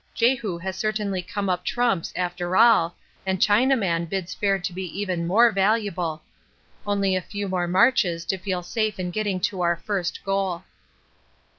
Jehu has certainly come up trumps after all, and Chinaman bids fair to be even more valuable. Only a few more marches to feel safe in getting to our first goal.